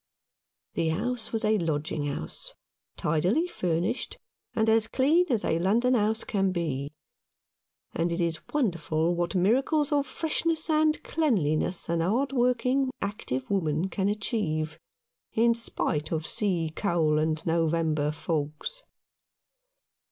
The house was a lodging house, tidily furnished, and as clean as a London house can be ; and it is wonderful what miracles of freshness and cleanliness a hard working, active woman can achieve, in spite of sea coal and November fogs.